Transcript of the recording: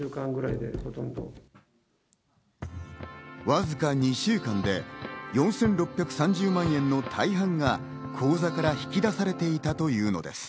わずか２週間で４６３０万円の大半が口座から引き出されていたというのです。